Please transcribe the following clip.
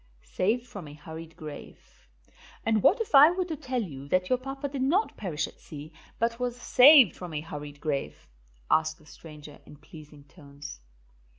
SAVED FROM A HURRIED GRAVE. "And what if I were to tell you that your papa did not perish at sea, but was saved from a hurried grave?" asked the stranger in pleasing tones.